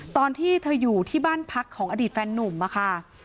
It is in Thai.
ตอนที่เธออยู่ที่บ้านพักของอดีตแฟนนุ่มค่ะ